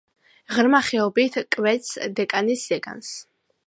ღრმა ხეობით კვეთს დეკანის ზეგანს.